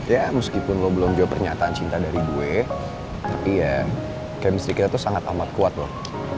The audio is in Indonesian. ya meskipun lo belum jawab pernyataan cinta dari gue tapi ya chemistry kita tuh sangat amat kuat loh